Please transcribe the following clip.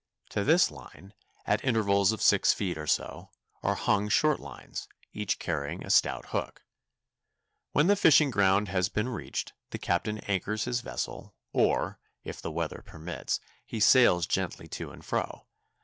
To this line, at intervals of six feet or so, are hung short lines, each carrying a stout hook. When the fishing ground has been reached, the captain anchors his vessel, or, if the weather permits, he sails gently to and fro.